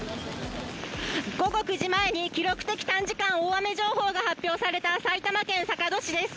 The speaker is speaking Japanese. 午後９時前に、記録的短時間大雨情報が発表された埼玉県坂戸市です。